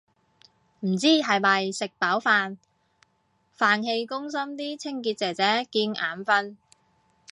唔知係咪食飽飯，飯氣攻心啲清潔姐姐見眼訓